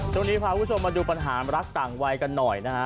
ตรงนี้พาผู้ชมมาดูปัญหารักต่างวัยกันหน่อยนะฮะ